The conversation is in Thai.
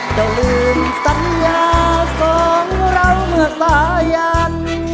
จะลืมสัญญาสองเราเมื่อสายัน